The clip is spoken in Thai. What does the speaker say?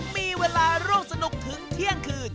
มีเวลาร่วมสนุกถึงเที่ยงคืน